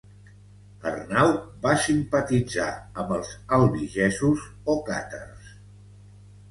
Arnau va simpatitzar amb els albigesos o càtars.